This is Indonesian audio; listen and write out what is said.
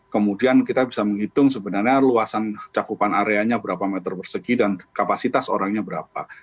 kemudian kita bisa menghitung sebenarnya luasan cakupan areanya berapa meter persegi dan kapasitas orangnya berapa